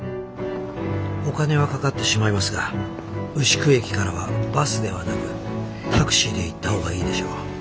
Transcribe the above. お金はかかってしまいますが牛久駅からはバスではなくタクシーで行った方がいいでしょう。